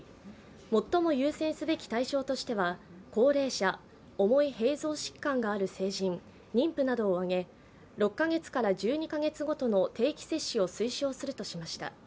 最も優先すべき対象としては高齢者、重い併存疾患がある成人、妊婦などを挙げ６か月から１２か月ごとの定期接種を推奨するとしました。